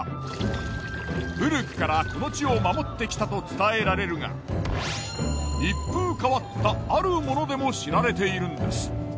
古くからこの地を守ってきたと伝えられるが一風変わったある物でも知られているんです。